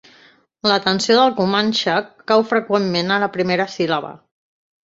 La tensió del Comanxe cau freqüentment a la primera síl·laba.